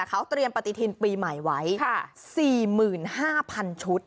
เขาเตรียมปฏิทินปีใหม่ไว้๔๕๐๐๐ชุด